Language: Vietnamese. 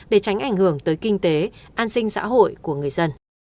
để tránh ảnh hưởng tới kinh tế an sinh xã hội của người dân